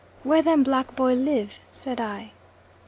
"Where them Black boy live?" said I.